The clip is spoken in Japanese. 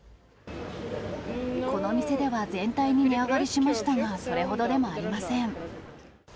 この店では全体に値上がりしましたが、それほどでもありません。